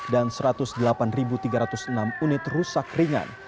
satu ratus delapan tiga ratus enam unit rusak ringan